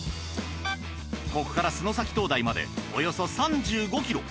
ここから洲埼灯台までおよそ３５ｋｍ。